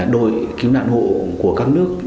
đội cứu nạn hộ của các nước